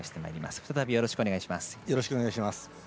再び、よろしくお願いします。